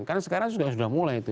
karena sekarang sudah mulai itu